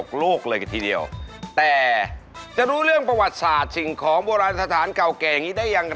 คิดถึงวัดคิดถึงโบราณสถาญ